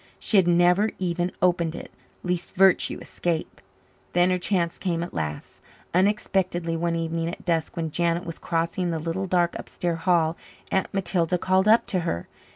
She had never even opened it, lest virtue escape. Then her chance came at last, unexpectedly. One evening at dusk, when Janet was crossing the little dark upstairs hall, Aunt Matilda called up to her.